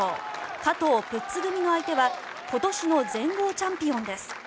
加藤・プッツ組の相手は今年の全豪チャンピオンです。